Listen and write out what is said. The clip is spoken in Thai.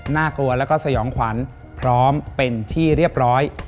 น่ากลัวแล้วก็สยองขวัญพร้อมเป็นที่เรียบร้อย